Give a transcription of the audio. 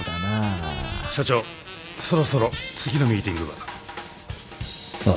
社長そろそろ次のミーティングが。ああ。